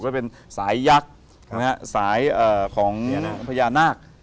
ว่าเป็นสายยักษ์สายของพญานาค